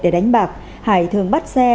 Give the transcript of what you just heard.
để đánh bạc hải thường bắt xe